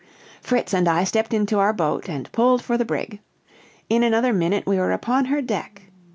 Fritz and I stepped into our boat and pulled for the brig. In another minute we were upon her deck.